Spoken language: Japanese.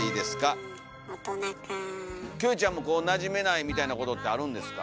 キョエちゃんもこうなじめないみたいなことってあるんですか？